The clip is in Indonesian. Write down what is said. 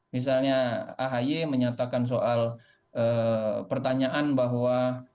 misalnya ahy menyatakan soal pertanyaan bahwa